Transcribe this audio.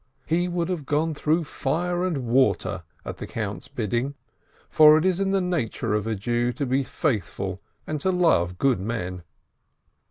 He would have gone through fire and water at the Count's bidding, for it is in the nature of a Jew to be faithful and to love good men.